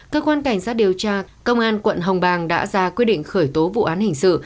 cơ quan cảnh sát điều tra công an quận hồng bàng đã ra quyết định khởi tố vụ án hình sự